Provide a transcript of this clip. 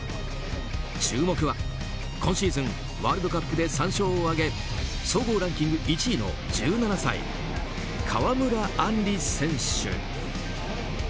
注目は今シーズンワールドカップで３勝を挙げ総合ランキング１位の１７歳、川村あんり選手。